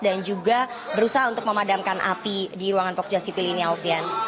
dan juga berusaha untuk memadamkan api di ruangan pogja sipil ini alfian